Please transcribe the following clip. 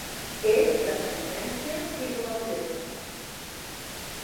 És d'ascendència irlandesa.